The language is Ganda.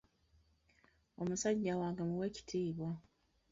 Omusajja wange mmuwa ekitiibwa.